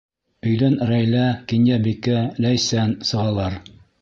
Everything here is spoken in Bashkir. Өйҙән Рәйлә, Кинйәбикә, Ләйсән сығалар.